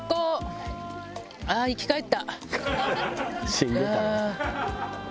「死んでたの？」